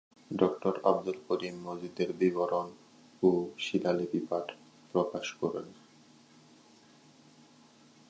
Doctor Abdul Karim মসজিদের বিবরণ ও শিলালিপির পাঠ প্রকাশ করেন।